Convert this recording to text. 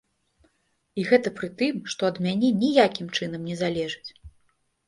І гэта пры тым, што ад мяне ніякім чынам не залежыць!